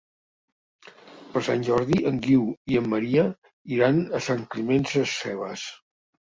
Per Sant Jordi en Guiu i en Maria iran a Sant Climent Sescebes.